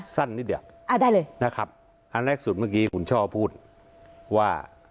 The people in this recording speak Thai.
สั้นนิดเดียวอ่าได้เลยนะครับอันแรกสุดเมื่อกี้คุณช่อพูดว่า